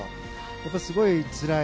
やっぱり、すごくつらい。